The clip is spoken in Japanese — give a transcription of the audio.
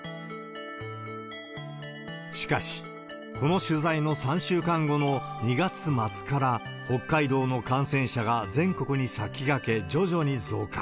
しかし、この取材の３週間後の２月末から、北海道の感染者が全国に先駆け徐々に増加。